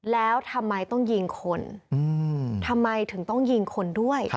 แล้วทำไมต้องยิงคนทำไมถึงต้องยิงคนด้วย